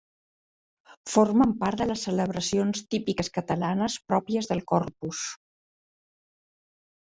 Formen part de les celebracions típiques catalanes pròpies del Corpus.